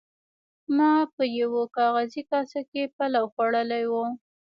ما په یوه کاغذي کاسه کې پلاو خوړلی و.